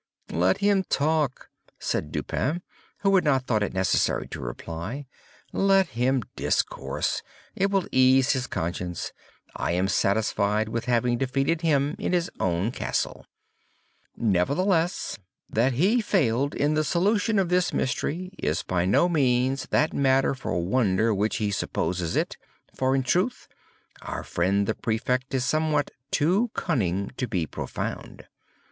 "Let him talk," said Dupin, who had not thought it necessary to reply. "Let him discourse; it will ease his conscience, I am satisfied with having defeated him in his own castle. Nevertheless, that he failed in the solution of this mystery, is by no means that matter for wonder which he supposes it; for, in truth, our friend the Prefect is somewhat too cunning to be profound.